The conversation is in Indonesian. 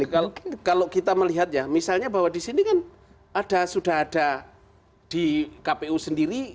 kalau kita melihat ya misalnya bahwa disini kan ada sudah ada di kpu sendiri